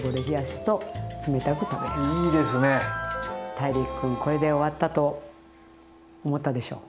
ＴＡＩＲＩＫ君これで終わったと思ったでしょう？